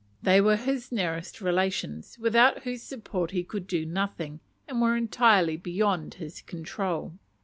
They were his nearest relations, without whose support he could do nothing, and were entirely beyond his control.